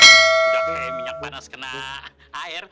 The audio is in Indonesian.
sudah kayak minyak panas kena air